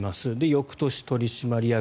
翌年、取締役。